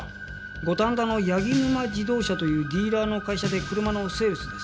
五反田の八木沼自動車というディーラーの会社で車のセールスです。